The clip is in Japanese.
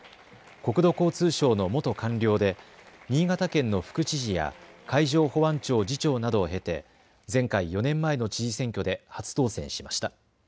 国土交通省の元官僚で新潟県の副知事や海上保安庁次長などを経て前回４年前の知事選挙で初当選しました。